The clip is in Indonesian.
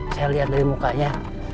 saya lihat dari mukanya